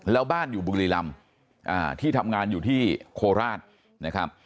แล้วบ้านอยู่บุรีลำที่ทำงานอยู่ที่โคราชนะครับ